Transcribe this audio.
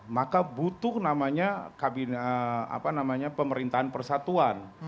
maka butuh namanya kabin apa namanya pemerintahan persatuan